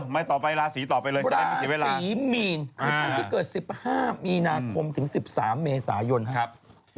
ไม่ต่อไปราศีต่อไปเลยจะได้มิสิเวลาคือครั้งที่เกิด๑๕มีนาคมถึง๑๓เมษายนครับ